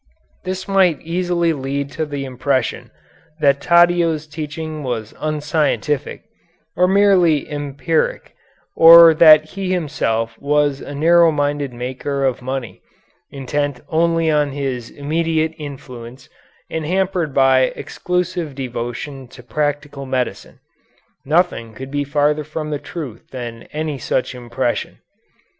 This might easily lead to the impression that Taddeo's teaching was unscientific, or merely empiric, or that he himself was a narrow minded maker of money, intent only on his immediate influence, and hampered by exclusive devotion to practical medicine. Nothing could be farther from the truth than any such impression.